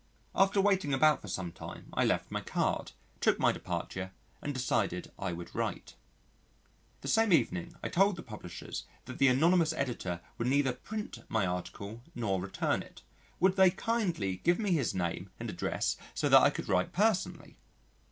After waiting about for some time, I left my card, took my departure and decided I would write. The same evening I told the publishers that the anonymous editor would neither print my article nor return it. Would they kindly give me his name and address so that I could write personally.